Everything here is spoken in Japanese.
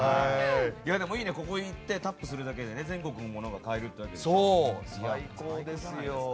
でも、ここに行ってタップするだけで全国のものが買えるっていいですね。